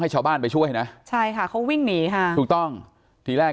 ชาวบ้านไปช่วยนะใช่ค่ะเขาวิ่งหนีค่ะถูกต้องทีแรก